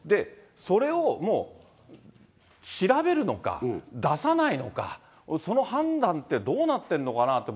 それをもう、調べるのか、出さないのか、その判断ってどうなってんのかなって